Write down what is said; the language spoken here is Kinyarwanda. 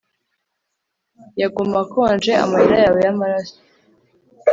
yaguma akonje amarira yawe yamaraso